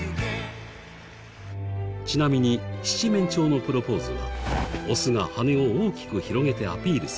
ちなみに七面鳥のプロポーズはオスが羽を大きく広げてアピールする事。